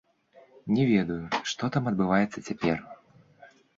Не ведаю, што там адбываецца цяпер.